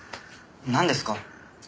なんですか？